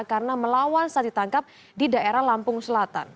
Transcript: karena melawan saat ditangkap di daerah lampung selatan